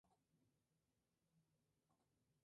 No obstante, sólo tuvo una tirada de cinco números.